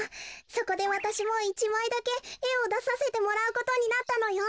そこでわたしも１まいだけえをださせてもらうことになったのよ。